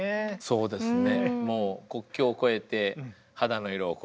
そうですね。